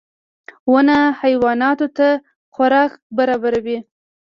• ونه حیواناتو ته خوراک برابروي.